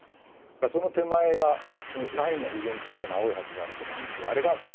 その手前がラインが非常にきれいな青い橋があると思うんですがあれが清洲橋です。